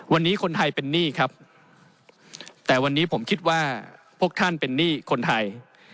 วันนี้คนไทยเป็นหนี้ครับแต่วันนี้ผมคิดว่าพวกท่านเป็นหนี้คนไทย